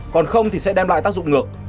còn không thì sẽ đem lại tác dụng ngược